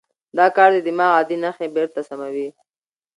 دا کار د دماغ عادي نښې بېرته سموي.